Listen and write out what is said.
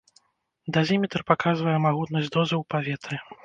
Дазіметр паказвае магутнасць дозы ў паветры.